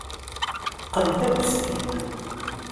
Qqen taggest-im.